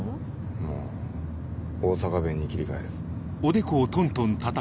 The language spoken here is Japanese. まぁ大阪弁に切り替える。